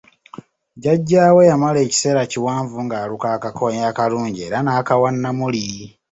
Jjaja we yamala ekiseera kiwanvu nga aluka akakooyi akalungi ennyo era n'akawa Namuli.